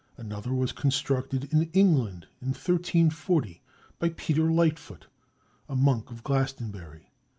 Another was constructed in England, in 1340, by Peter Lightfoot, a monk of Glastonbury.